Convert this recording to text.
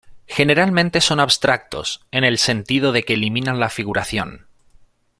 Generalmente son abstractos en el sentido de que eliminan la figuración.